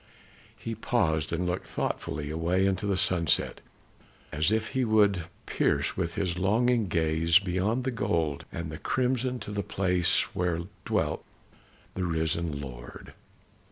He paused, and looked thoughtfully away into the sunset, as if he would pierce with his longing gaze beyond the gold and the crimson to that place where dwelt the risen Lord.